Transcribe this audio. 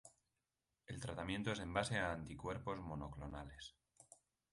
El tratamiento es en base a anticuerpos monoclonales.